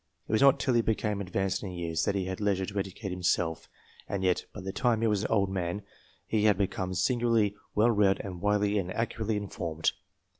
It was not till he became advanced in years, that he had leisure to educate himself, and yet by the time he was an old man, he had become singularly well read and widely and accurately informed.